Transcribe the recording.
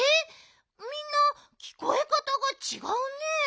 みんなきこえかたがちがうね。